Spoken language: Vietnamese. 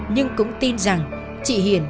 nhưng cũng tin rằng chị hiền